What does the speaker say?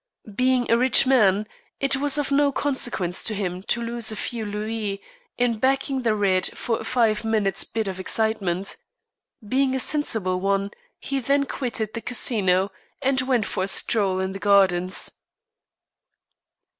Being a rich man, it was of no consequence to him to lose a few louis in backing the red for a five minutes' bit of excitement. Being a sensible one, he then quitted the Casino and went for a stroll in the gardens.